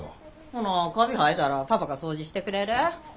ほなカビ生えたらパパが掃除してくれる？